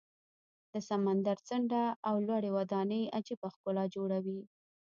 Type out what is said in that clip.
د سمندر څنډه او لوړې ودانۍ عجیبه ښکلا جوړوي.